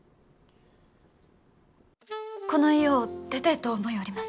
この家を出てえと思ようります。